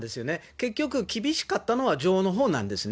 結局、厳しかったのは女王のほうなんですね。